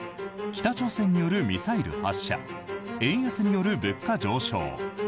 北朝鮮によるミサイル発射円安による物価上昇。